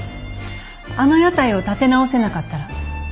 あの屋台を立て直せなかったらあなたはクビ。